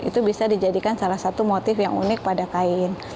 itu bisa dijadikan salah satu motif yang unik pada kain